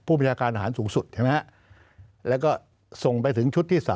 ผู้บัญชาการอาหารสูงสุดแล้วก็ส่งไปถึงชุดที่๓